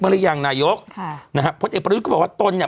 หรือยังนายกค่ะนะฮะพลเอกประยุทธ์ก็บอกว่าตนเนี่ย